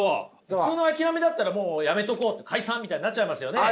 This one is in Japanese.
普通の諦めだったらもうやめとこう解散みたいになっちゃいますよね？